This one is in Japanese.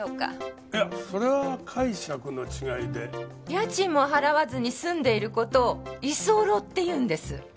家賃も払わずに住んでいる事を居候っていうんです。